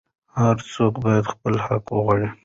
هر څوک باید خپل حق وغواړي.